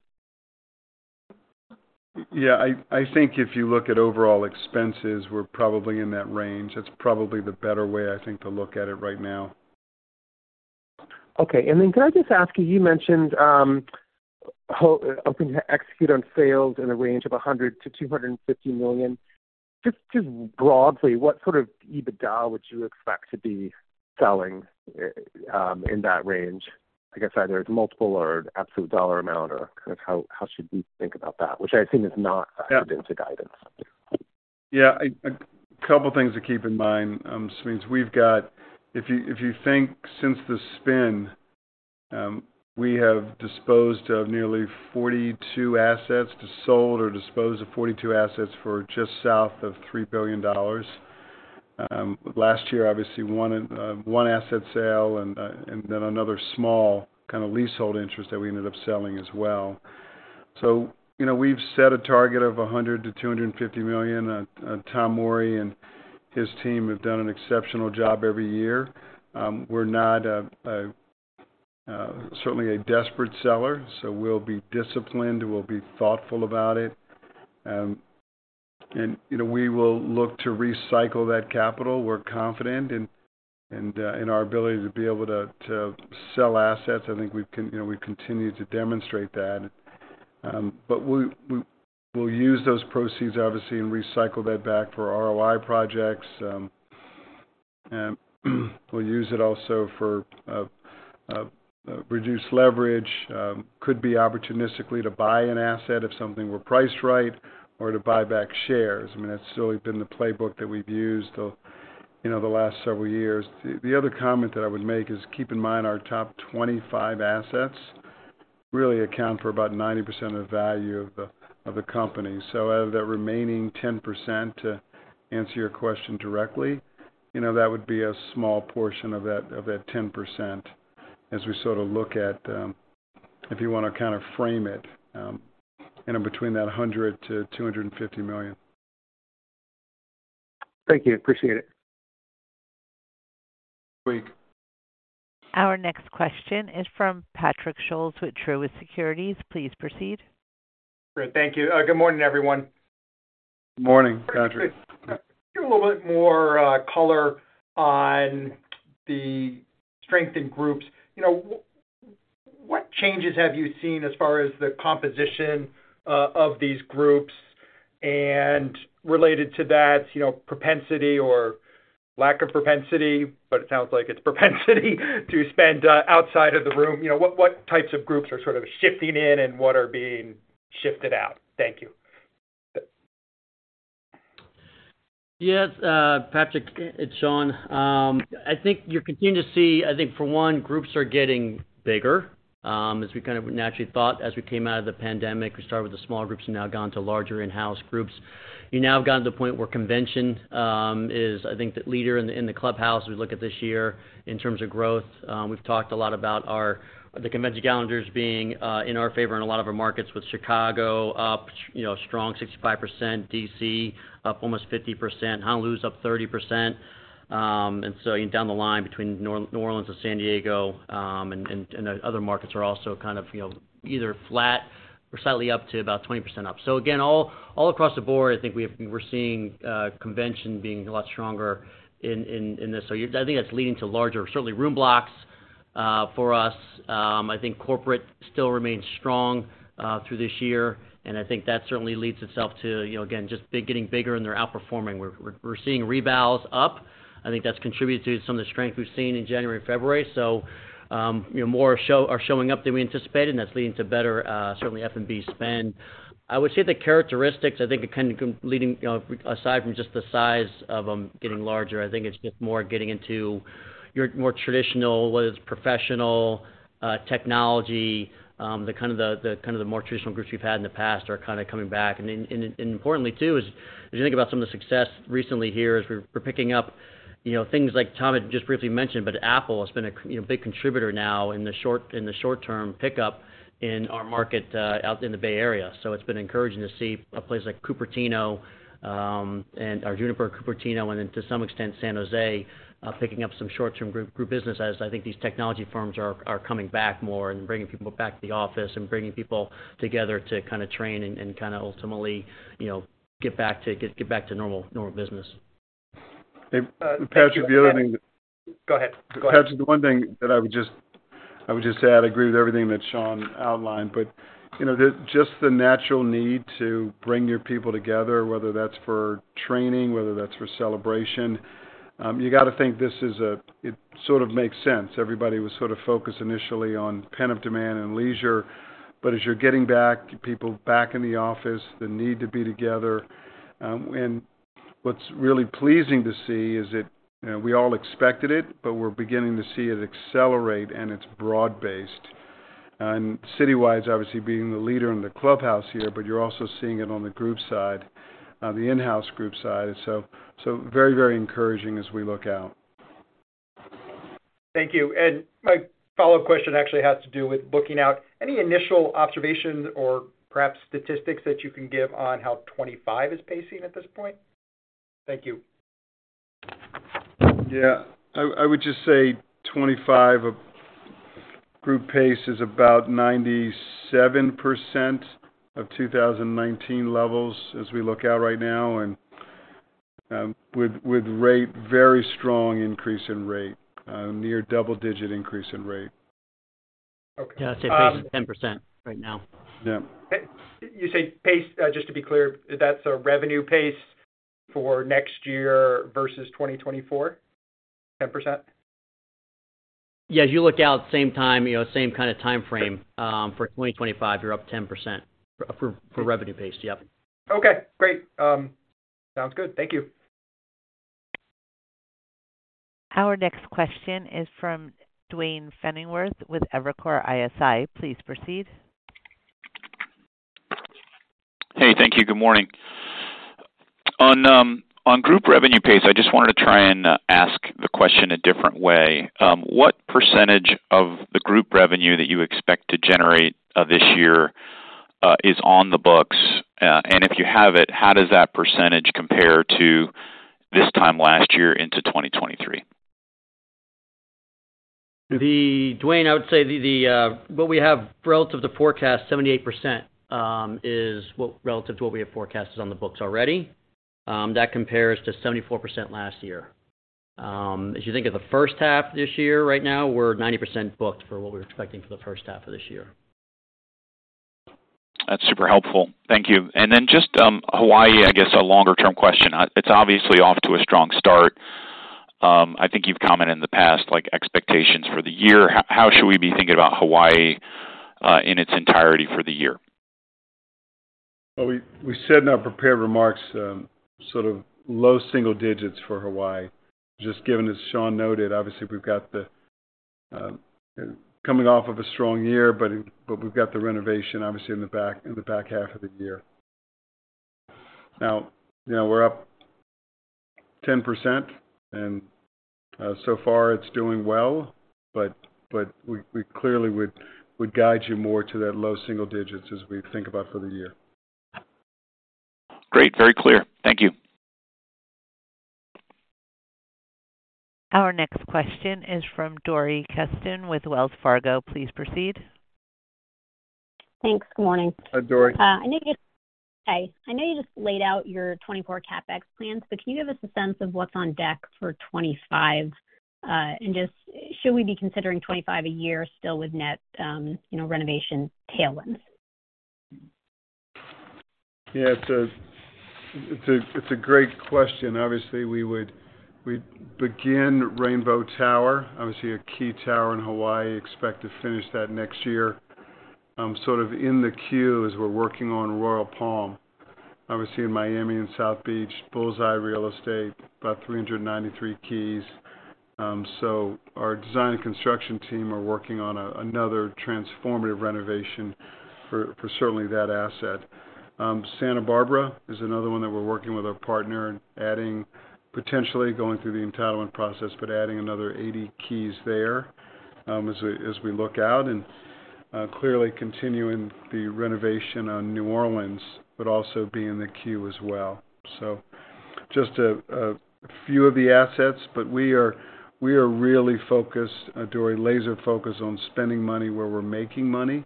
Yeah. I think if you look at overall expenses, we're probably in that range. That's probably the better way, I think, to look at it right now. Okay. And then can I just ask you? You mentioned hoping to execute on sales in the range of $100 million-$250 million. Just broadly, what sort of EBITDA would you expect to be selling in that range, I guess, either as multiple or an absolute dollar amount, or kind of how should we think about that, which I assume is not factored into guidance? Yeah. A couple of things to keep in mind. Smedes, if you think since the spin, we have disposed of nearly 42 assets to sold or disposed of 42 assets for just south of $3 billion. Last year, obviously, one asset sale and then another small kind of leasehold interest that we ended up selling as well. So we've set a target of $100 million-$250 million. Tom Morey and his team have done an exceptional job every year. We're not certainly a desperate seller. So we'll be disciplined. We'll be thoughtful about it. And we will look to recycle that capital. We're confident in our ability to be able to sell assets. I think we've continued to demonstrate that. But we'll use those proceeds, obviously, and recycle that back for ROI projects. We'll use it also for reduced leverage. Could be opportunistically to buy an asset if something were priced right or to buy back shares. I mean, that's really been the playbook that we've used the last several years. The other comment that I would make is keep in mind our top 25 assets really account for about 90% of the value of the company. So out of that remaining 10%, to answer your question directly, that would be a small portion of that 10% as we sort of look at if you want to kind of frame it, between that $100 million-$250 million. Thank you. Appreciate it. Our next question is from Patrick Scholes with Truist Securities. Please proceed. Sure. Thank you. Good morning, everyone. Good morning, Patrick. Give a little bit more color on the strength in groups. What changes have you seen as far as the composition of these groups? And related to that, propensity or lack of propensity, but it sounds like it's propensity to spend outside of the room. What types of groups are sort of shifting in, and what are being shifted out? Thank you. Yes, Patrick. It's Sean. I think you're continuing to see I think, for one, groups are getting bigger as we kind of naturally thought as we came out of the pandemic. We started with the small groups and now gone to larger in-house groups. You now have gotten to the point where convention is, I think, the leader in the clubhouse as we look at this year in terms of growth. We've talked a lot about the convention calendars being in our favor in a lot of our markets with Chicago up strong, 65%, D.C. up almost 50%, Honolulu's up 30%. And so down the line between New Orleans and San Diego and other markets are also kind of either flat or slightly up to about 20% up. So again, all across the board, I think we're seeing convention being a lot stronger in this. So I think that's leading to larger, certainly, room blocks for us. I think corporate still remains strong through this year. And I think that certainly leads itself to, again, just getting bigger and they're outperforming. We're seeing rebounds up. I think that's contributed to some of the strength we've seen in January and February. So more are showing up than we anticipated. And that's leading to better, certainly, F&B spend. I would say the characteristics, I think, are kind of leading aside from just the size of them getting larger. I think it's just more getting into your more traditional, whether it's professional, technology. The kind of the more traditional groups we've had in the past are kind of coming back. And importantly, too, as you think about some of the success recently here as we're picking up things like Tom had just briefly mentioned, but Apple has been a big contributor now in the short-term pickup in our market out in the Bay Area. So it's been encouraging to see a place like Cupertino and our Juniper Cupertino and then, to some extent, San Jose picking up some short-term group business as I think these technology firms are coming back more and bringing people back to the office and bringing people together to kind of train and kind of ultimately get back to normal business. Patrick, the other thing that—Go ahead. Go ahead. Patrick, the one thing that I would just add, I agree with everything that Sean outlined. But just the natural need to bring your people together, whether that's for training, whether that's for celebration, you got to think this is a it sort of makes sense. Everybody was sort of focused initially on pent-up demand and leisure. But as you're getting people back in the office, the need to be together. What's really pleasing to see is that we all expected it, but we're beginning to see it accelerate. It's broad-based. City-wide, it's obviously being the leader in the clubhouse here. But you're also seeing it on the group side, the in-house group side. Very, very encouraging as we look out. Thank you. My follow-up question actually has to do with looking out. Any initial observations or perhaps statistics that you can give on how 2025 is pacing at this point? Thank you. Yeah. I would just say 2025 group pace is about 97% of 2019 levels as we look out right now with very strong increase in rate, near double-digit increase in rate. Yeah. I'd say pace is 10% right now. Yeah. You say pace, just to be clear, that's a revenue pace for next year versus 2024, 10%? Yeah. As you look out, same time, same kind of time frame for 2025, you're up 10% for revenue pace. Yep. Okay. Great. Sounds good. Thank you. Our next question is from Duane Pfennigwerth with Evercore ISI. Please proceed. Hey. Thank you. Good morning. On group revenue pace, I just wanted to try and ask the question a different way. What percentage of the group revenue that you expect to generate this year is on the books? And if you have it, how does that percentage compare to this time last year into 2023? Dwayne, I would say what we have relative to forecast, 78% is relative to what we have forecast is on the books already. That compares to 74% last year. As you think of the H1 this year right now, we're 90% booked for what we were expecting for the H1 of this year. That's super helpful. Thank you. And then just Hawaii, I guess, a longer-term question. It's obviously off to a strong start. I think you've commented in the past expectations for the year. How should we be thinking about Hawaii in its entirety for the year? Well, we said in our prepared remarks sort of low single digits for Hawaii. Just given as Sean noted, obviously, we've got the coming off of a strong year. But we've got the renovation, obviously, in the back half of the year. Now, we're up 10%. And so far, it's doing well. But we clearly would guide you more to that low single digits as we think about for the year. Great. Very clear. Thank you. Our next question is from Dori Kesten with Wells Fargo. Please proceed. Thanks. Good morning. Hi, Dori. Hi. I know you just laid out your 2024 Capex plans. But can you give us a sense of what's on deck for 2025? And just should we be considering 2025 a year still with net renovation tailwinds? Yeah. It's a great question. Obviously, we'd begin Rainbow Tower, obviously, a key tower in Hawaii, expect to finish that next year sort of in the queue as we're working on Royal Palm, obviously, in Miami and South Beach, Bullseye Real Estate, about 393 keys. So our design and construction team are working on another transformative renovation for certainly that asset. Santa Barbara is another one that we're working with our partner adding, potentially going through the entitlement process, but adding another 80 keys there as we look out and clearly continuing the renovation on New Orleans but also being in the queue as well. So just a few of the assets. But we are really focused, Dori, laser-focused on spending money where we're making money.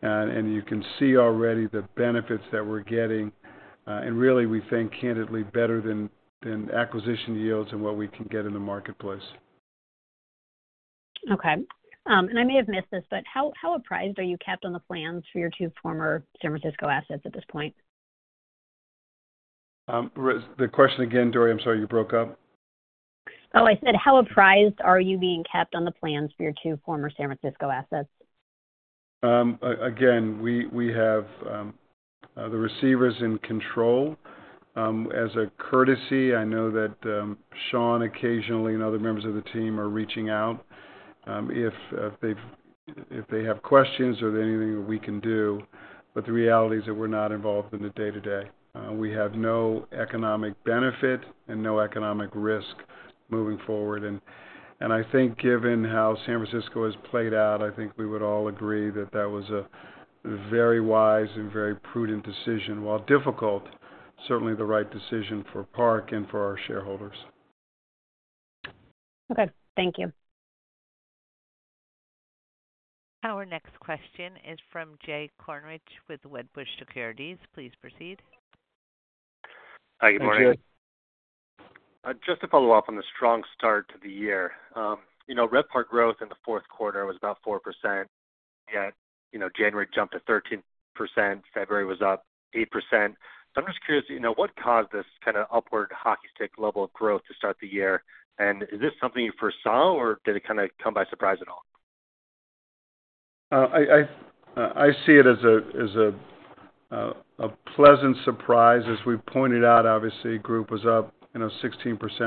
And you can see already the benefits that we're getting. And really, we think candidly, better than acquisition yields and what we can get in the marketplace. Okay. And I may have missed this, but how apprised are you kept on the plans for your two former San Francisco assets at this point? The question again, Dori. I'm sorry. You broke up. Oh, I said, how apprised are you being kept on the plans for your two former San Francisco assets? Again, we have the receivers in control. As a courtesy, I know that Sean occasionally and other members of the team are reaching out if they have questions or anything that we can do. But the reality is that we're not involved in the day-to-day. We have no economic benefit and no economic risk moving forward. And I think given how San Francisco has played out, I think we would all agree that that was a very wise and very prudent decision. While difficult, certainly the right decision for Park and for our shareholders. Okay. Thank you. Our next question is from Jay Kornreich with Wedbush Securities. Please proceed. Hi. Good morning. Thank you. Just to follow up on the strong start to the year, RevPAR growth in the Q4 was about 4%. Yet January jumped to 13%. February was up 8%. So I'm just curious, what caused this kind of upward hockey stick level of growth to start the year? And is this something you first saw, or did it kind of come by surprise at all? I see it as a pleasant surprise. As we pointed out, obviously, group was up 16%,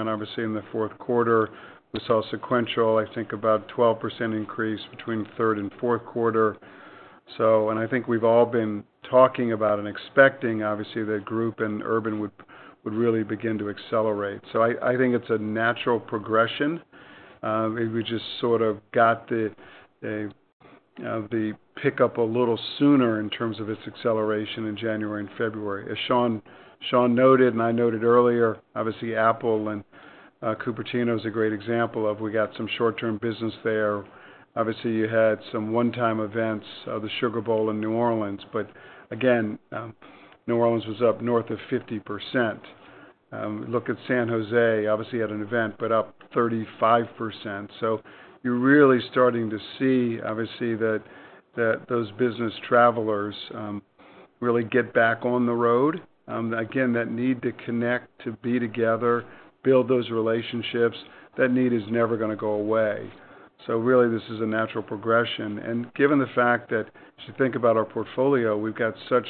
obviously, in the Q4. We saw sequential, I think, about 12% increase between third and Q4. I think we've all been talking about and expecting, obviously, that group and urban would really begin to accelerate. So I think it's a natural progression. We just sort of got the pickup a little sooner in terms of its acceleration in January and February. As Sean noted and I noted earlier, obviously, Apple and Cupertino is a great example of we got some short-term business there. Obviously, you had some one-time events, the Sugar Bowl in New Orleans. But again, New Orleans was up north of 50%. Look at San Jose. Obviously, you had an event but up 35%. So you're really starting to see, obviously, that those business travelers really get back on the road. Again, that need to connect, to be together, build those relationships, that need is never going to go away. So really, this is a natural progression. And given the fact that as you think about our portfolio, we've got such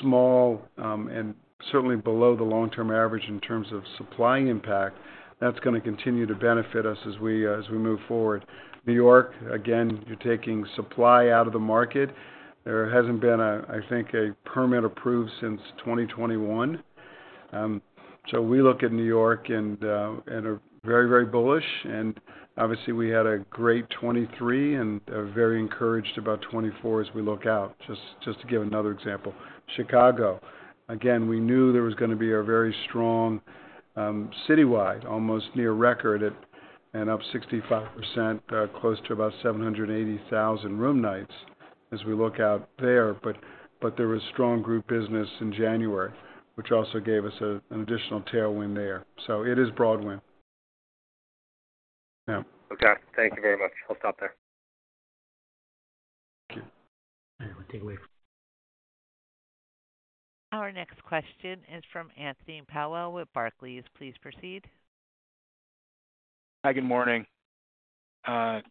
small and certainly below the long-term average in terms of supply impact, that's going to continue to benefit us as we move forward. New York, again, you're taking supply out of the market. There hasn't been, I think, a permit approved since 2021. So we look at New York and are very, very bullish. And obviously, we had a great 2023 and are very encouraged about 2024 as we look out, just to give another example. Chicago, again, we knew there was going to be a very strong citywide, almost near record and up 65%, close to about 780,000 room nights as we look out there. But there was strong group business in January, which also gave us an additional tailwind there. So it is broad wind. Yeah. Okay. Thank you very much. I'll stop there. Thank you. All right. We'll take a break. Our next question is from Anthony Powell with Barclays. Please proceed. Hi. Good morning. I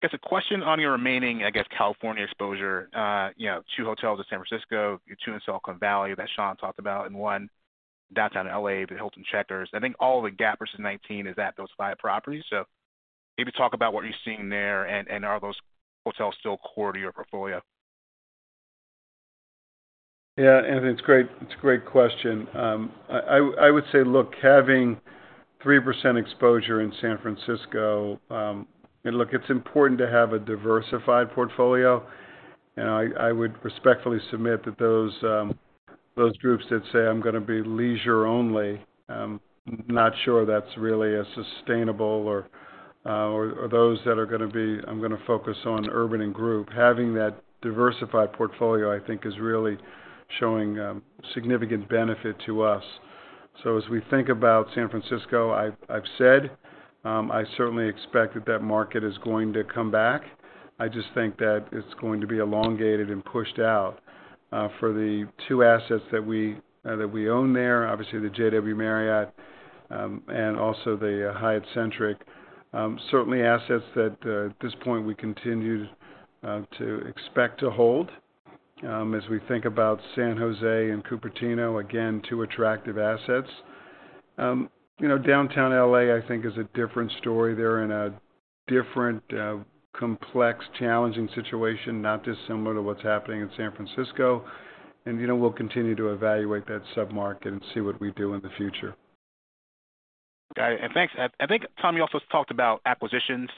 guess a question on your remaining, I guess, California exposure: two hotels in San Francisco, two in Silicon Valley that Sean talked about, and one downtown LA, the Hilton Checkers. I think all the gap versus 2019 is at those five properties. So maybe talk about what you're seeing there. And are those hotels still core to your portfolio? Yeah. Anthony, it's a great question. I would say, look, having 3% exposure in San Francisco, and look, it's important to have a diversified portfolio. I would respectfully submit that those groups that say, "I'm going to be leisure only," I'm not sure that's really sustainable or those that are going to be, "I'm going to focus on urban and group." Having that diversified portfolio, I think, is really showing significant benefit to us. So as we think about San Francisco, I've said I certainly expect that that market is going to come back. I just think that it's going to be elongated and pushed out for the two assets that we own there, obviously, the JW Marriott and also the Hyatt Centric, certainly assets that, at this point, we continue to expect to hold as we think about San Jose and Cupertino, again, two attractive assets. Downtown L.A., I think, is a different story. They're in a different, complex, challenging situation, not dissimilar to what's happening in San Francisco. And we'll continue to evaluate that submarket and see what we do in the future. Got it. And thanks. I think, Tom, you also talked about acquisitions.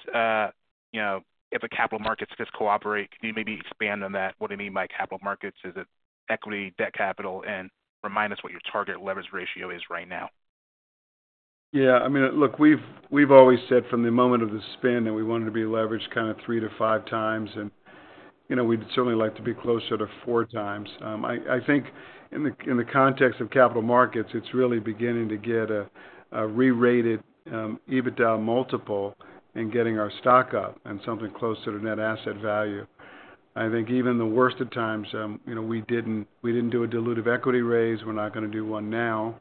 If a capital markets could cooperate, can you maybe expand on that? What do you mean by capital markets? Is it equity, debt capital? And remind us what your target leverage ratio is right now. Yeah. I mean, look, we've always said from the moment of the spin that we wanted to be leveraged kind of 3-5 times. And we'd certainly like to be closer to four times. I think in the context of capital markets, it's really beginning to get a rerated EBITDA multiple and getting our stock up and something closer to net asset value. I think even the worst of times, we didn't do a dilutive equity raise. We're not going to do one now.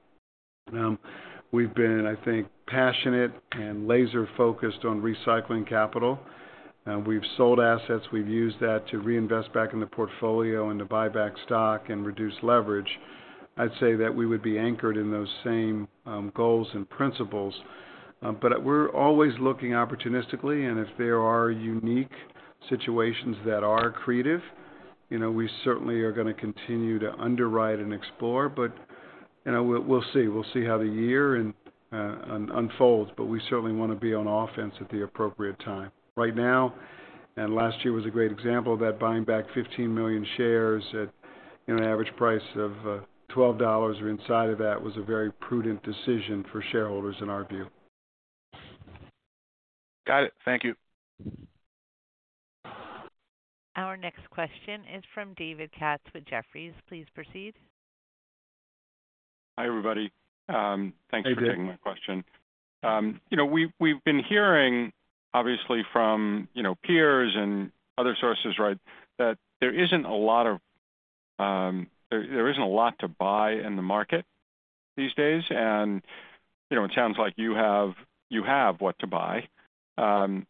We've been, I think, passionate and laser-focused on recycling capital. We've sold assets. We've used that to reinvest back in the portfolio and to buy back stock and reduce leverage. I'd say that we would be anchored in those same goals and principles. But we're always looking opportunistically. And if there are unique situations that are accretive, we certainly are going to continue to underwrite and explore. But we'll see. We'll see how the year unfolds. But we certainly want to be on offense at the appropriate time. Right now, and last year was a great example of that, buying back 15 million shares at an average price of $12 or inside of that was a very prudent decision for shareholders, in our view. Got it. Thank you. Our next question is from David Katz with Jefferies. Please proceed. Hi, everybody. Thanks for taking my question. We've been hearing, obviously, from peers and other sources, right, that there isn't a lot to buy in the market these days. It sounds like you have what to buy. What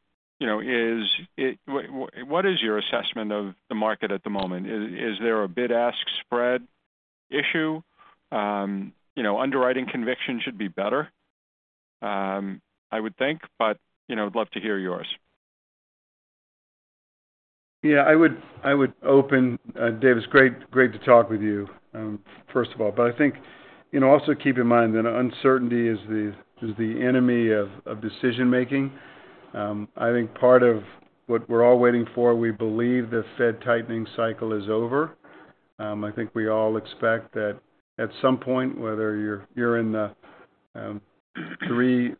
is your assessment of the market at the moment? Is there a bid-ask spread issue? Underwriting conviction should be better, I would think. I'd love to hear yours. Yeah. I would open. Dave, it's great to talk with you, first of all. I think also keep in mind that uncertainty is the enemy of decision-making. I think part of what we're all waiting for, we believe the Fed tightening cycle is over. I think we all expect that at some point, whether you're in 3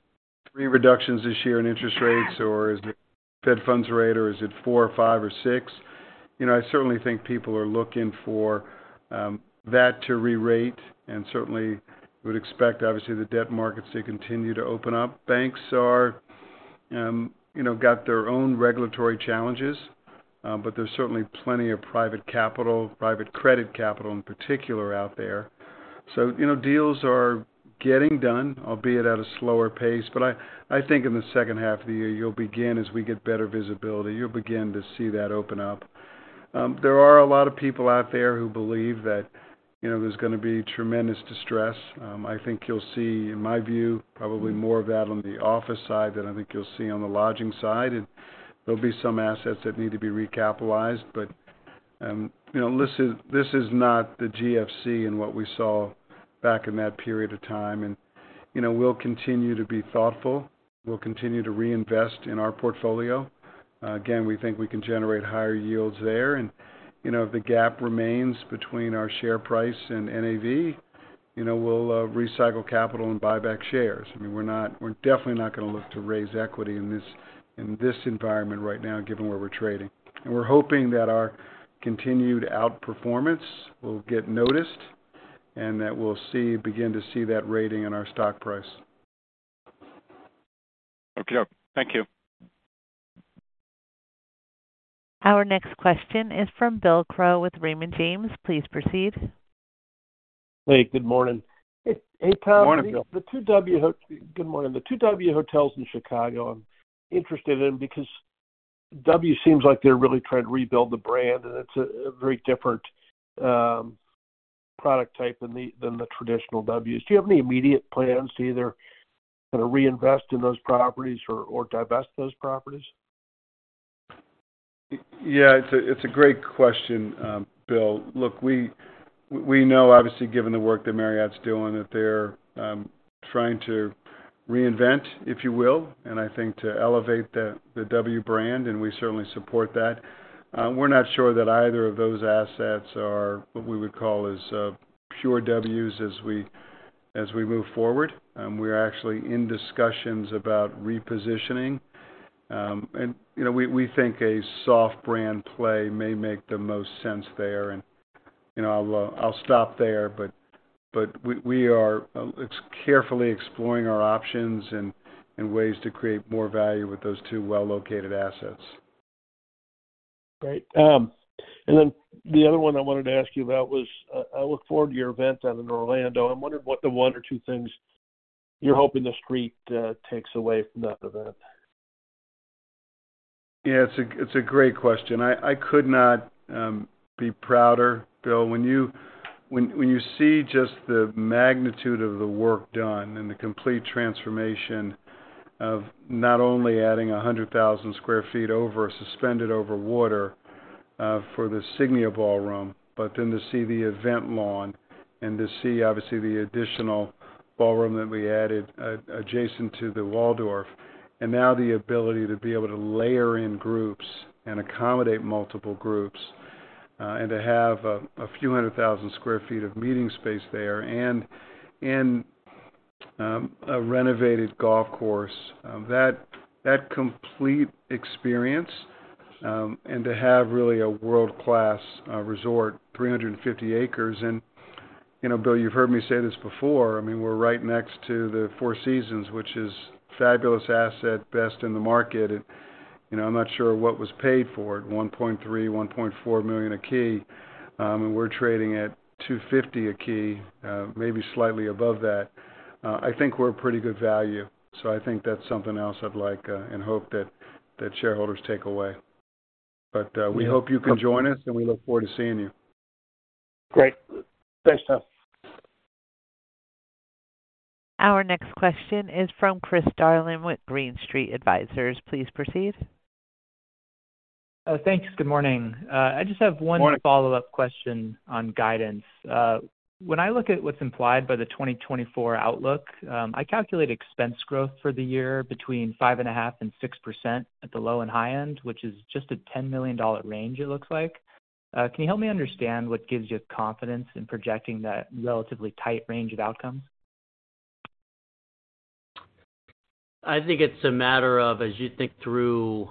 reductions this year in interest rates or is it Fed funds rate or is it four or five or six. I certainly think people are looking for that to rerate. Certainly, we would expect, obviously, the debt markets to continue to open up. Banks have got their own regulatory challenges. But there's certainly plenty of private capital, private credit capital in particular out there. So deals are getting done, albeit at a slower pace. But I think in the H2 of the year, you'll begin as we get better visibility, you'll begin to see that open up. There are a lot of people out there who believe that there's going to be tremendous distress. I think you'll see, in my view, probably more of that on the office side than I think you'll see on the lodging side. And there'll be some assets that need to be recapitalized. But this is not the GFC and what we saw back in that period of time. And we'll continue to be thoughtful. We'll continue to reinvest in our portfolio. Again, we think we can generate higher yields there. And if the gap remains between our share price and NAV, we'll recycle capital and buy back shares. I mean, we're definitely not going to look to raise equity in this environment right now, given where we're trading. And we're hoping that our continued outperformance will get noticed and that we'll begin to see that rating in our stock price. Okay. Thank you. Our next question is from Bill Crow with Raymond James. Please proceed. Hey. Good morning. Hey, Tom. Good morning, Bill. Good morning. The two W Hotels in Chicago, I'm interested in because W seems like they're really trying to rebuild the brand. And it's a very different product type than the traditional Ws. Do you have any immediate plans to either kind of reinvest in those properties or divest those properties? Yeah. It's a great question, Bill. Look, we know, obviously, given the work that Marriott's doing, that they're trying to reinvent, if you will, and I think to elevate the W brand. And we certainly support that. We're not sure that either of those assets are what we would call as pure Ws as we move forward. We're actually in discussions about repositioning. And we think a soft brand play may make the most sense there. And I'll stop there. But we are carefully exploring our options and ways to create more value with those two well-located assets. Great. And then the other one I wanted to ask you about was, I look forward to your event down in Orlando. I'm wondering what the one or two things you're hoping the street takes away from that event. Yeah. It's a great question. I could not be prouder, Bill. When you see just the magnitude of the work done and the complete transformation of not only adding 100,000 sq ft suspended over water for the Signia ballroom but then to see the event lawn and to see, obviously, the additional ballroom that we added adjacent to the Waldorf and now the ability to be able to layer in groups and accommodate multiple groups and to have a few hundred thousand sq ft of meeting space there and a renovated golf course, that complete experience and to have really a world-class resort, 350 acres and Bill, you've heard me say this before. I mean, we're right next to the Four Seasons, which is a fabulous asset, best in the market. And I'm not sure what was paid for it, $1.3-$1.4 million a key. And we're trading at $250 a key, maybe slightly above that. I think we're a pretty good value. So I think that's something else I'd like and hope that shareholders take away. But we hope you can join us. And we look forward to seeing you. Great. Thanks, Tom. Our next question is from Chris Darling with Green Street Advisors. Please proceed. Thanks. Good morning. I just have one follow-up question on guidance. When I look at what's implied by the 2024 outlook, I calculate expense growth for the year between 5.5% and 6% at the low and high end, which is just a $10 million range, it looks like. Can you help me understand what gives you confidence in projecting that relatively tight range of outcomes? I think it's a matter of, as you think through,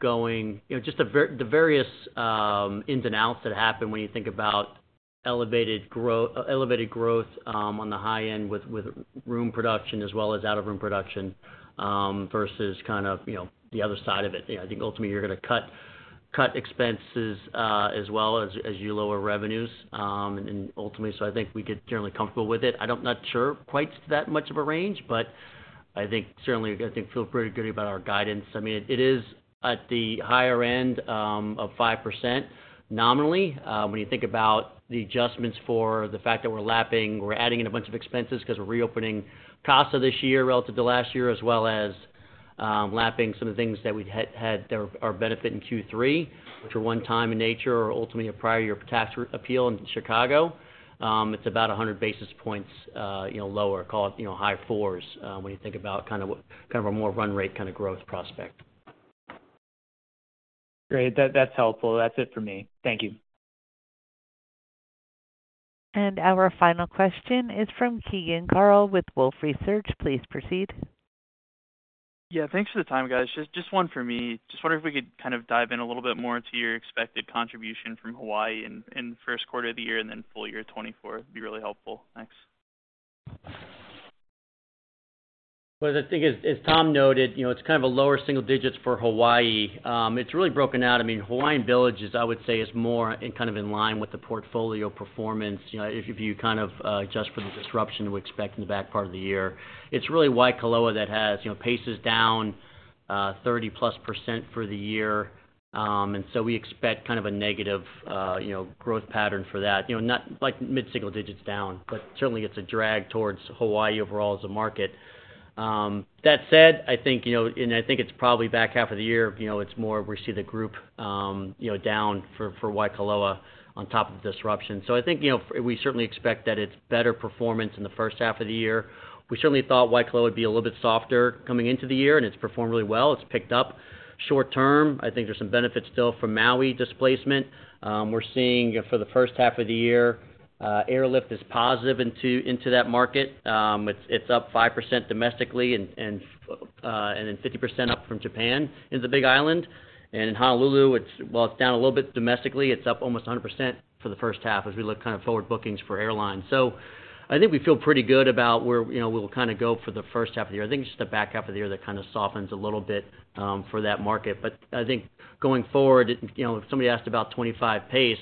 going just the various ins and outs that happen when you think about elevated growth on the high end with room production as well as out-of-room production versus kind of the other side of it. I think, ultimately, you're going to cut expenses as well as you lower revenues. Ultimately, so I think we get generally comfortable with it. I'm not sure quite that much of a range. But I think, certainly, I think feel pretty good about our guidance. I mean, it is at the higher end of 5% nominally when you think about the adjustments for the fact that we're lapping, we're adding in a bunch of expenses because we're reopening Casa this year relative to last year as well as lapping some of the things that we had that are benefit in Q3, which are one-time in nature or ultimately a prior year tax appeal in Chicago. It's about 100 basis points lower, call it high fours when you think about kind of a more run-rate kind of growth prospect. Great. That's helpful. That's it for me. Thank you. Our final question is from Keegan Carl with Wolfe Research. Please proceed. Yeah. Thanks for the time, guys. Just one for me. Just wondering if we could kind of dive in a little bit more to your expected contribution from Hawaii in Q1 of the year and then full year 2024. It'd be really helpful. Thanks. Well, as I think, as Tom noted, it's kind of a lower single digits for Hawaii. It's really broken out. I mean, Hawaiian Villages, I would say, is more kind of in line with the portfolio performance. If you kind of adjust for the disruption we expect in the back part of the year, it's really Waikoloa that paces down 30+% for the year. And so we expect kind of a negative growth pattern for that, not mid-single digits down. But certainly, it's a drag towards Hawaii overall as a market. That said, I think and I think it's probably back half of the year, it's more we see the group down for Waikoloa on top of the disruption. So I think we certainly expect that it's better performance in the H1 of the year. We certainly thought Waikoloa would be a little bit softer coming into the year. And it's performed really well. It's picked up short term. I think there's some benefits still from Maui displacement. We're seeing, for the H1 of the year, airlift is positive into that market. It's up 5% domestically and then 50% up from Japan into the Big Island. And in Honolulu, well, it's down a little bit domestically. It's up almost 100% for the H1 as we look kind of forward bookings for airlines. So I think we feel pretty good about where we'll kind of go for the H1 of the year. I think it's just the back half of the year that kind of softens a little bit for that market. But I think going forward, if somebody asked about 2025 pace,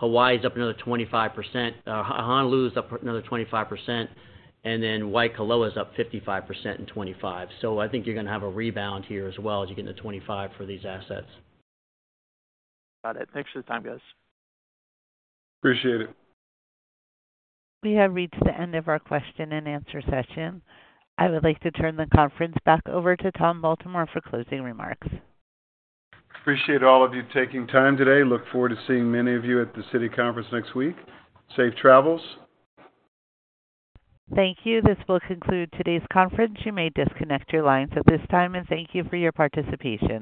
Hawaii's up another 25%. Honolulu's up another 25%. And then Waikoloa's up 55% in 2025. So I think you're going to have a rebound here as well as you get into 2025 for these assets. Got it. Thanks for the time, guys. Appreciate it. We have reached the end of our question and answer session. I would like to turn the conference back over to Tom Baltimore for closing remarks. Appreciate all of you taking time today. Look forward to seeing many of you at the Citi conference next week. Safe travels. Thank you. This will conclude today's conference. You may disconnect your lines at this time. Thank you for your participation.